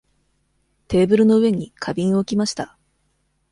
テーブルの上に花瓶を置きました。